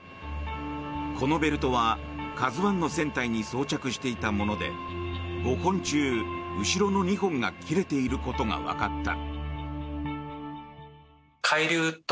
このベルトは「ＫＡＺＵ１」の船体に装着していたもので５本中後ろの２本が切れていることがわかった。